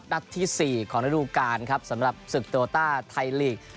นัดที่๔ของฤดูการสำหรับสศุกร์โตร่าไทยลีก